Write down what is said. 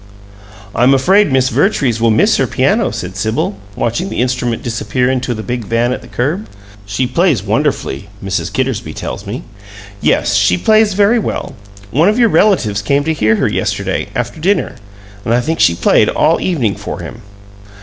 "I'm afraid Miss Vertrees will miss her piano," said Sibyl, watching the instrument disappear into the big van at the curb. "She plays wonderfully, Mrs. Kittersby tells me." "Yes, she plays very well. One of your relatives came to hear her yesterday, after dinner, and I think she played all evening for him."